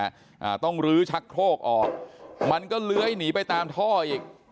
อ่าต้องลื้อชักโครกออกมันก็เลื้อยหนีไปตามท่ออีก